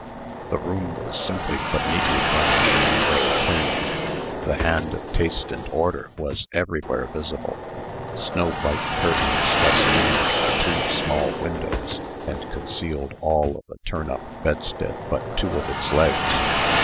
The room was simply but neatly furnished, and very clean. The hand of taste and order was everywhere visible. Snow white curtains festooned the two small windows, and concealed all of a turn up bedstead but two of its legs.